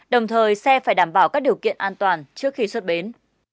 đồng thời xe phải đảm bảo các điều kiện an toàn trước khi xuất bến